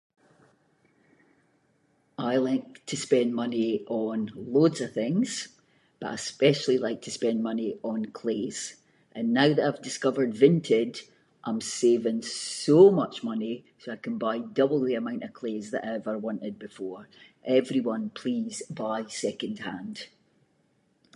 I like to spend money on loads of things, but I especially like to spend money on claes, and now that I’ve discovered Vinted, I’m saving so much money, so I can buy double the amount of claes that I ever wanted before. Everyone please, buy second hand.